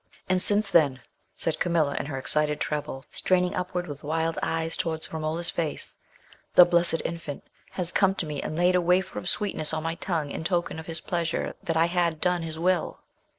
"And since then," said Camilla, in her excited treble, straining upward with wild eyes towards Romola's face, "the Blessed Infant has come to me and laid a wafer of sweetness on my tongue in token of his pleasure that I had done his will."